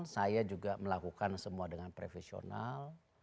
saya juga melakukan semua dengan profesional